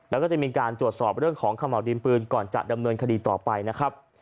แล้วก็จะมีการตรวจสอบเรื่องของขม่าวดินปืนก่อนจะดำเนินคดีต่อไปนะครับ